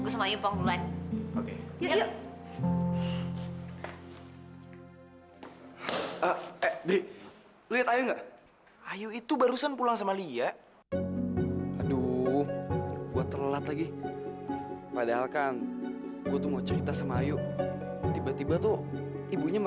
sampai jumpa di video selanjutnya